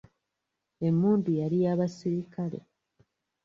Emmundu yali ya basirikale.